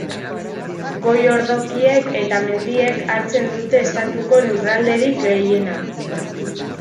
Goi-ordokiek eta mendiek hartzen dute estatuko lurralderik gehiena.